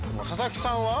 佐々木さん。